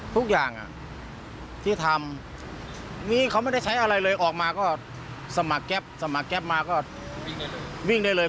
ทุกอย่างที่ทำนี่เขาไม่ได้ใช้อะไรเลยออกมาก็สมัครแก๊ปสมัครแก๊ปมาก็วิ่งได้เลย